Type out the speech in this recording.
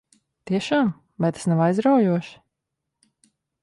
Tiešām? Vai tas nav aizraujoši?